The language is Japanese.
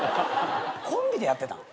コンビでやってたん？